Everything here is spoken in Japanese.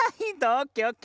オッケーオッケー。